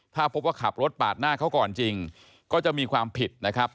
ถ้าพบว่าขับรถปาดหน้าเขาก่อนจริงก็จะมีความผิดนะครับ